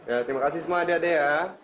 ya terima kasih semua adik adik ya